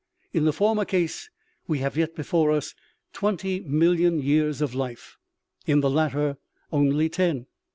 In the former case we have yet before us twenty million years of life ; in the latter only ten.